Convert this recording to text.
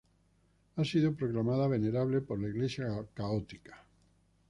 Ha sido proclamada venerable por la Iglesia Católica.